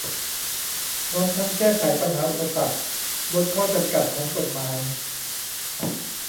พร้อมทั้งแก้ไขปัญหาอุปสรรค ลดข้อจำกัดของกฎหมาย